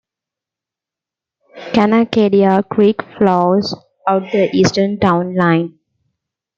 Canacadea Creek flows out the eastern town line.